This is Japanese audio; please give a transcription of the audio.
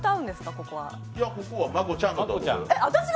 ここは真子ちゃんが。